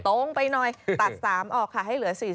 ตัด๓ออกค่ะให้เหลือ๔๔